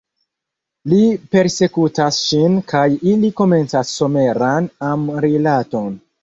Li persekutas ŝin kaj ili komencas someran amrilaton.